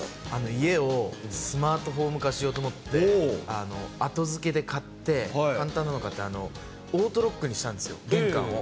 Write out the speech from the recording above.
家をスマートホーム化しようと思って、後付けで買って、簡単なのでオートロックにしたんですよ、玄関を。